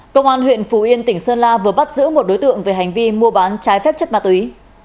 công an huyện phú yên tỉnh sơn la vừa bắt giữ một đối tượng về hành vi mua bán trái phép chất ma túy